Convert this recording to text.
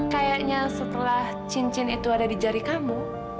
kayaknya setelah cincin itu ada di jari kamu